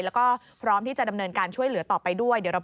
แล้วก็ตอนนี้คิดว่าคงเหลือการตัดทั้ง๑เมื่อแผลเปิดที่บริเวณ